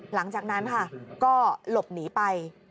หลังจากนั้นค่ะก็หลบหนีไป